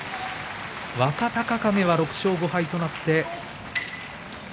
若隆景は６勝５敗となりました。